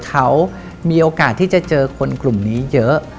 เขามีโอกาสที่จะเจอคนกลุ่มนี้เยอะ